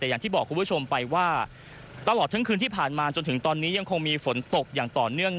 แต่อย่างที่บอกคุณผู้ชมไปว่าตลอดทั้งคืนที่ผ่านมาจนถึงตอนนี้ยังคงมีฝนตกอย่างต่อเนื่อง